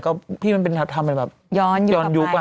ก็ที่มันเป็นธับทำย้อนยุคว่ะ